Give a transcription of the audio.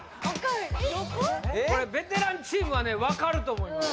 これベテランチームはね分かると思います